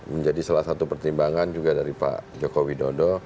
menjadi salah satu pertimbangan juga dari pak joko widodo